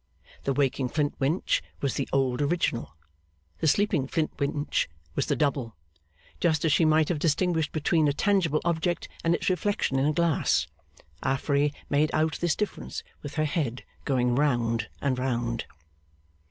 The waking Flintwinch was the old original; the sleeping Flintwinch was the double, just as she might have distinguished between a tangible object and its reflection in a glass, Affery made out this difference with her head going round and round.